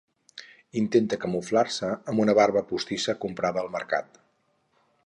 Intenta camuflar-se amb una barba postissa comprada al mercat.